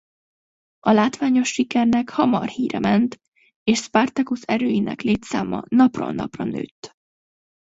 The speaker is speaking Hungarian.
A látványos sikernek hamar híre ment és Spartacus erőinek létszáma napról-napra nőt.